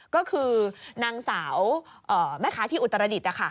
ก็คือนางสาวแม่ค้าที่อุตรดิษฐ์